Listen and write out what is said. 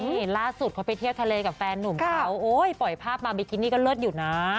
นี่ล่าสุดเขาไปเที่ยวทะเลกับแฟนหนุ่มเขาโอ้ยปล่อยภาพมาบิกินี่ก็เลิศอยู่นะ